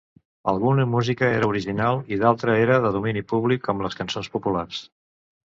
Alguna música era original i d'altra era de domini públic, com les cançons populars.